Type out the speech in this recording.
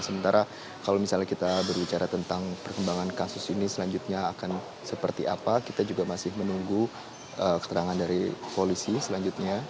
sementara kalau misalnya kita berbicara tentang perkembangan kasus ini selanjutnya akan seperti apa kita juga masih menunggu keterangan dari polisi selanjutnya